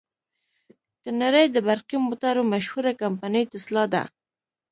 د نړې د برقی موټرو مشهوره کمپنۍ ټسلا ده.